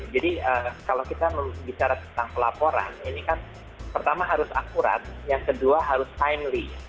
jadi kalau kita bicara tentang pelaporan ini kan pertama harus akurat yang kedua harus timely